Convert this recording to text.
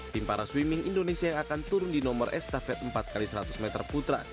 tim para swimming indonesia yang akan turun di nomor estafet empat x seratus meter putra